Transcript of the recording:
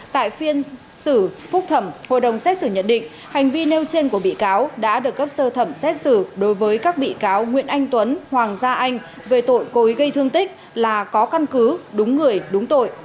tại phiên xử phúc thẩm hội đồng xét xử nhận định hành vi nêu trên của bị cáo đã được cấp sơ thẩm xét xử đối với các bị cáo nguyễn anh tuấn hoàng gia anh về tội cố ý gây thương tích là có căn cứ đúng người đúng tội